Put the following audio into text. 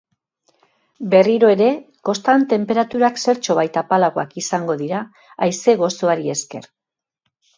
Berriro ere, kostan tenperaturak zertxobait apalagoak izango dira, haize gozoari esker.